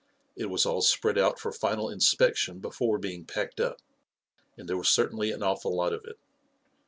It was all spread out for final inspection before being packed up, and there was cer tainly an awful lot of it.